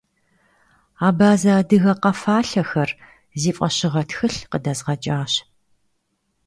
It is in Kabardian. «Абазэ-адыгэ къэфалъэхэр» зи фӀэщыгъэ тхылъ къыдэзгъэкӀащ.